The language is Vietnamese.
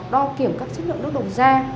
đo kiểm các chất lượng nước đầu ra